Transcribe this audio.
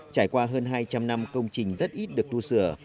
trải qua hơn hai trăm linh năm công trình rất ít được tu sửa